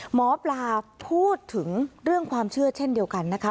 หมอปลาพูดถึงเรื่องความเชื่อเช่นเดียวกันนะคะ